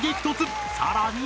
さらに